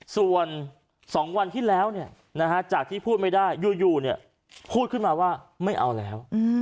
ส่วน๒วันที่แล้วจากที่พูดไม่ได้อยู่พูดขึ้นมาว่าไม่เอาแล้ว